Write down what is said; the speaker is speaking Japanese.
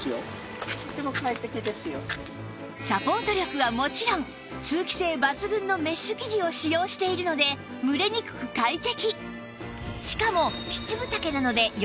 サポート力はもちろん通気性抜群のメッシュ生地を使用しているので蒸れにくく快適